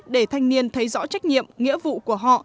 để thanh niên thấy rõ trách nhiệm nghĩa vụ của họ